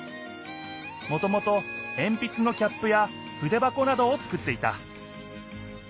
もともとえんぴつのキャップやふでばこなどを作っていた。